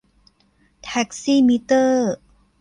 แท็กซี่มิเตอร์